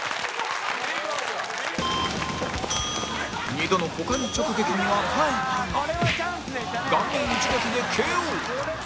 ２度の股間直撃には耐えたが顔面一撃で ＫＯ